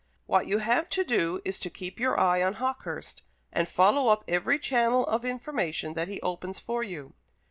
What you have to do is to keep your eye on Hawkehurst, and follow up every channel of information that he opens for you.